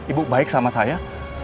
ibu baik sama saya